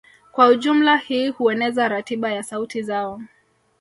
Kwa ujumla hii hueneza ratiba ya sauti zao